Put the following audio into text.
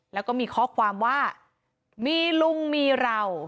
แล้วก็มีข้อความว่ามีลุงมีเรา